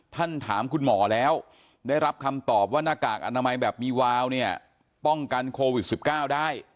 ถามคุณหมอแล้วได้รับคำตอบว่าหน้ากากอนามัยแบบมีวาวเนี่ยป้องกันโควิด๑๙ได้